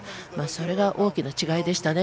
それが大きな違いでしたね。